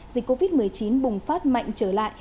dịch covid một mươi chín bùng phát mạnh trở lại